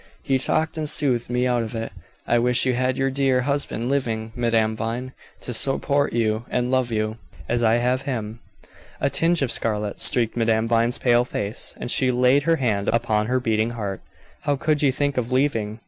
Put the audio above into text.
He talked and soothed me out of it. I wish you had your dear husband living, Madame Vine, to support you and love you, as I have him." A tinge of scarlet streaked Madame Vine's pale face, and she laid her hand upon her beating heart. "How could you think of leaving?